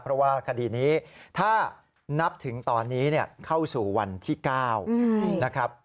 เพราะว่าคดีนี้ถ้านับถึงตอนนี้เข้าสู่วันที่๙นะครับ